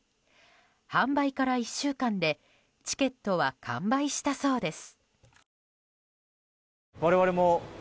販売から１週間でチケットは完売したそうです。